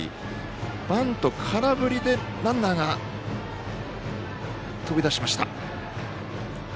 バント空振りでランナーが飛び出しました。